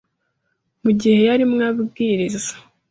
Mu gihe yarimo abwiriza